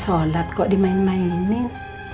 sholat kok dimain mainin